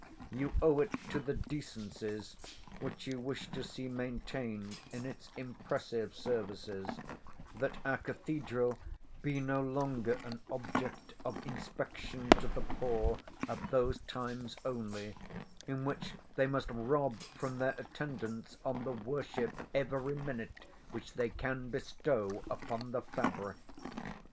You owe it to the decencies, which you wish to see maintained in its impressive services, that our Cathedral be no longer an object of inspection to the poor at those times only, in which they must rob from their Attendance on the worship every minute which they can bestow upon the fabric.